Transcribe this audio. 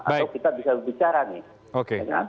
atau kita bisa bicara nih